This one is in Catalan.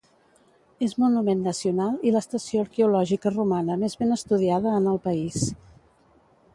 És Monument Nacional i l'estació arqueològica romana més ben estudiada en el país.